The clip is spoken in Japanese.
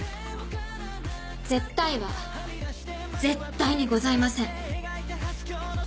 「絶対」は絶対にございません。